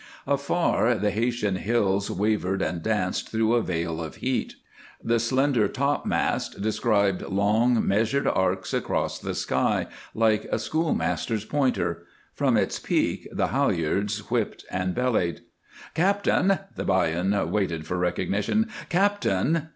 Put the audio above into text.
Afar, the Haytian hills wavered and danced through a veil of heat. The slender topmast described long measured arcs across the sky, like a schoolmaster's pointer; from its peak the halyards whipped and bellied. "Captain!" The 'Bajan waited for recognition. "Captain!"